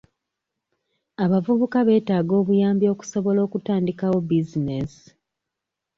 Abavubuka beetaaga obuyambi okusobola okutandikawo bizinensi.